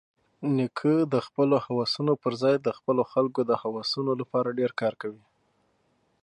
نیکه د خپلو هوسونو پرځای د خپلو خلکو د هوسونو لپاره ډېر کار کوي.